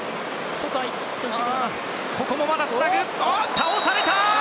倒された！